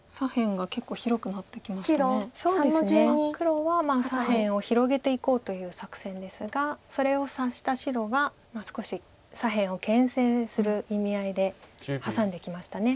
黒は左辺を広げていこうという作戦ですがそれを察した白が少し左辺をけん制する意味合いでハサんできました。